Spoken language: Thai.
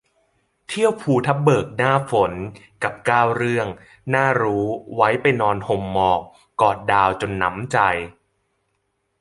เที่ยวภูทับเบิกหน้าฝน กับ เก้า เรื่องน่ารู้ ไว้ไปนอนห่มหมอก กอดดาวจนหนำใจ